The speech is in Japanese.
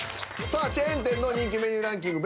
さあチェーン店の人気メニューランキング